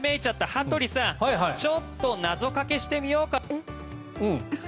羽鳥さん、ちょっと謎かけしてみようか。